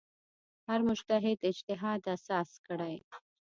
هر مجتهد اجتهاد اساس کړی.